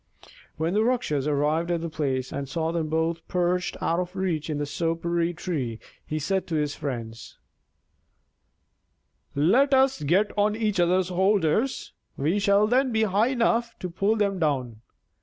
When the Rakshas arrived at the place and saw them both perched out of reach in the soparee tree, he said to his friends: "Let us get on each other's shoulders; we shall then be high enough to pull them down."